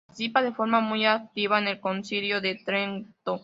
Participa de forma muy activa en el Concilio de Trento.